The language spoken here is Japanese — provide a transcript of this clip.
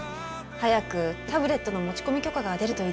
早くタブレットの持ち込み許可が出るといいですね。